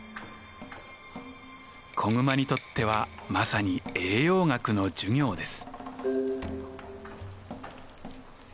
子グマにとってはまさに栄養学の授業です。